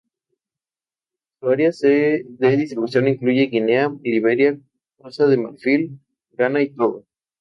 Su área de distribución incluye Guinea, Liberia, Costa de Marfil, Ghana y Togo.